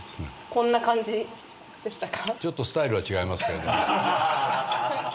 こんな感じでしたか？